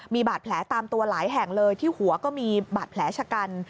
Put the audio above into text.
มีบาดแผลตามตัวหลายแห่งเลยที่หัวก็มีบาดแผลชะกัน